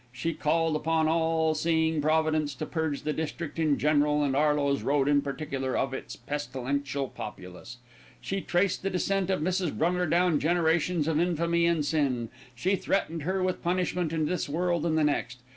She called upon an all seeing Providence to purge the district in general, and Arloes Road in particular, of its pestilential populace. She traced the descent of Mrs. Brunger down generations of infamy and sin. She threatened her with punishment in this world and the next.